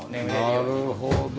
なるほど。